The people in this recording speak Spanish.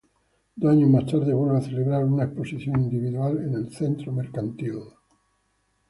Dos años más tarde vuelve a celebrar una exposición individual en el Centro Mercantil.